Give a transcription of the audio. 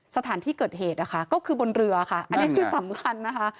สถานที่เกิดเหตุนะคะก็คือบนเรือค่ะอันนี้คือสำคัญนะคะ